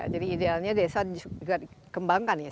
jadi idealnya desa juga dikembangkan ya